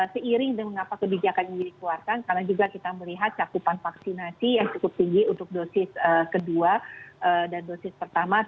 seiring dengan mengapa kebijakan ini dikeluarkan karena juga kita melihat cakupan vaksinasi yang cukup tinggi untuk dosis kedua dan dosis pertama